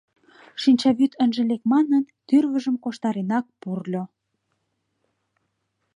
Шинчавӱд ынже лек манын, тӱрвыжым корштаренак пурльо.